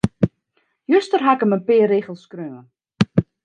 Juster haw ik him in pear rigels skreaun.